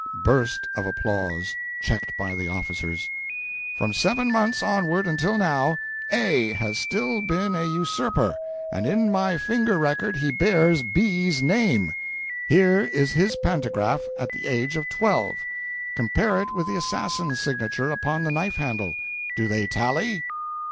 [Burst of applause, checked by the officers.] From seven months onward until now, A has still been a usurper, and in my finger record he bears B's name. Here is his pantograph at the age of twelve. Compare it with the assassin's signature upon the knife handle. Do they tally?"